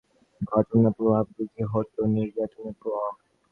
জড়িত ব্যক্তিদের আইনের আওতায় আনা গেলে সংখ্যালঘু নির্যাতনের ঘটনার পুনরাবৃত্তি হতো না।